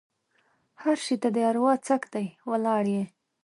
هر شي ته دې اروا څک دی؛ ولاړ يې.